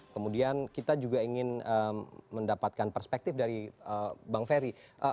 kemudian kita juga ingin mendapatkan perspektif dari bang ferry